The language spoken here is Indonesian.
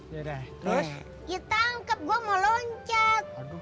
ya tangkep gua mau loncat